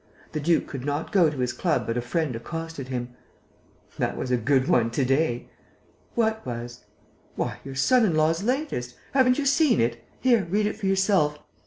The duke could not go to his club but a friend accosted him: "That was a good one to day!" "What was?" "Why, your son in law's latest! Haven't you seen it? Here, read it for yourself: 'M.